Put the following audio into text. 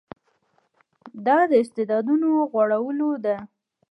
دا د استعدادونو غوړولو ده.